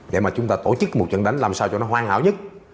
để mà chúng ta tổ chức một trận đánh làm sao cho nó hoàn hảo nhất